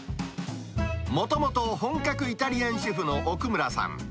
もともと本格イタリアンシェフの奥村さん。